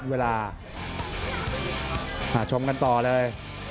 เวลาชมกันต่อเลย